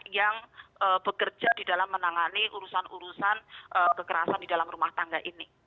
yang bekerja di dalam menangani urusan urusan kekerasan di dalam rumah tangga ini